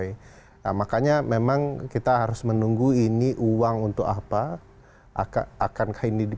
nah sekarang p tiga better you break cut noise